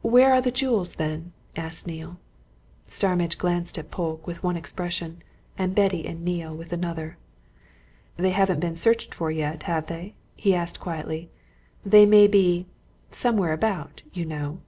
"Where are the jewels, then?" asked Neale. Starmidge glanced at Polke with one expression, at Betty and Neale with another. "They haven't been searched for yet, have they?" he asked quietly. "They may be somewhere about, you know."